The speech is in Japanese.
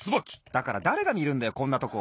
だからだれがみるんだよこんなとこ。